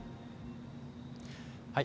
はい。